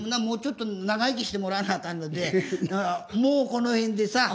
もうちょっと長生きしてもらわなあかんのでもうこの辺でさ。